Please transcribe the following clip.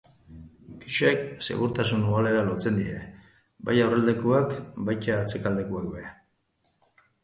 Biak segurtasun uhalera lotzen dira, bai aurrealdekoak baita atzealdekoak ere.